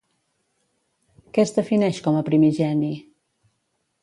Què es defineix com a Primigeni?